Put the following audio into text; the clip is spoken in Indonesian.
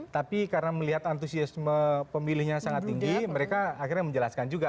tapi karena melihat antusiasme pemilihnya sangat tinggi mereka akhirnya menjelaskan juga